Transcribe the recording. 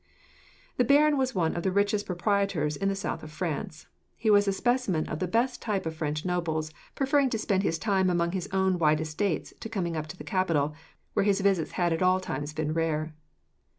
The baron was one of the richest proprietors in the south of France. He was a specimen of the best type of the French nobles, preferring to spend his time among his own wide estates to coming up to the capital, where his visits had at all times been rare.